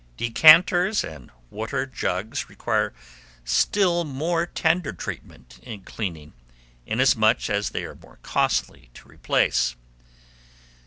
Decanters and water jugs require still more tender treatment in cleaning, inasmuch as they are more costly to replace.